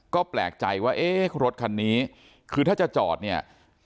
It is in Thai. ก็แปลกใจว่าเอ๊ะรถคันนี้คือถ้าจะจอดเนี่ย